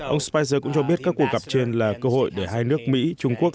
ông spacter cũng cho biết các cuộc gặp trên là cơ hội để hai nước mỹ trung quốc